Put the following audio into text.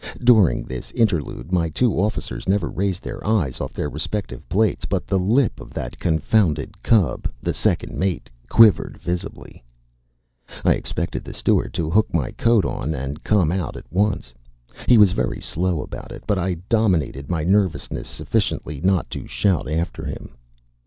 During this interlude my two officers never raised their eyes off their respective plates; but the lip of that confounded cub, the second mate, quivered visibly. I expected the steward to hook my coat on and come out at once. He was very slow about it; but I dominated my nervousness sufficiently not to shout after him.